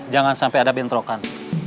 jangan sampai ada bentrokan